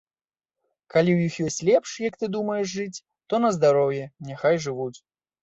Калі ў іх ёсць лепш, як ты думаеш, жыць, то на здароўе, няхай жывуць.